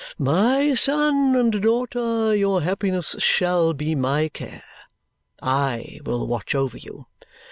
"My son and daughter, your happiness shall be my care. I will watch over you.